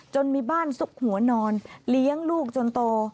มีบ้านซุกหัวนอนเลี้ยงลูกจนโต